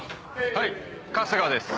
はい春日です。